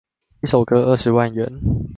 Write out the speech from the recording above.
一首歌二十萬元